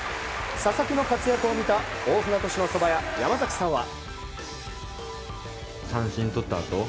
佐々木の活躍を見た大船渡市のそば屋山崎さんは。